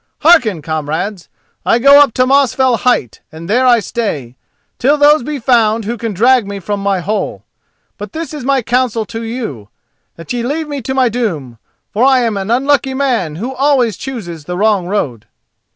Hearken, comrades: I go up to Mosfell height, and there I stay, till those be found who can drag me from my hole. But this is my counsel to you: that ye leave me to my doom, for I am an unlucky man who always chooses the wrong road."